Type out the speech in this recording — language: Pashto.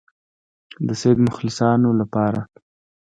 د سید مخلصانو لپاره.